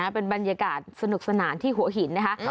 เป็นบรรยากาศสนุกสนานที่หัวหินนะคะ